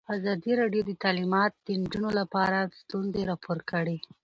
ازادي راډیو د تعلیمات د نجونو لپاره ستونزې راپور کړي.